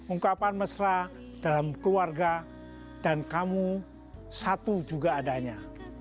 ungkapan mesra dalam keluarga dan kamu satu juga adanya